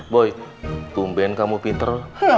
boy tumben kamu pinter